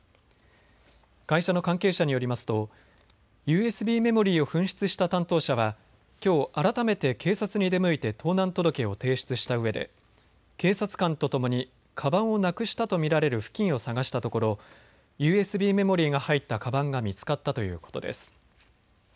会社の関係者によりますとＵＳＢメモリーを紛失した担当者はきょう改めて警察に出向いて盗難届を提出したうえで警察官とともにかばんをなくしたと見られる付近を探したところＵＳＢメモリーが入ったかばんが見つかったということです。